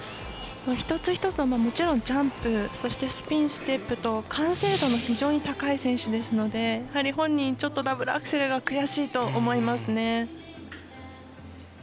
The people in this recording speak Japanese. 一つ一つのもちろんジャンプそしてスピン、ステップと完成度も非常に高い選手ですので本人、ダブルアクセルは悔しいと思いますね。